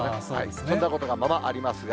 そんなことがままありますが。